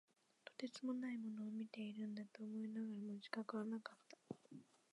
とてつもないものを見ているんだと思いながらも、自覚はなかった。